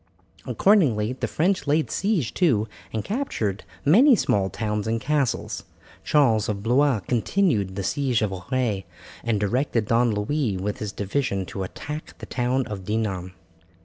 Accordingly the French laid siege to and captured many small towns and castles. Charles of Blois continued the siege of Auray, and directed Don Louis with his division to attack the town of Dinan.